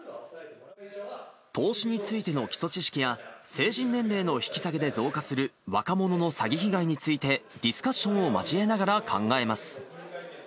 投資についての基礎知識や、成人年齢の引き下げで増加する若者の詐欺被害について、ディスカッションを交えながら考えます。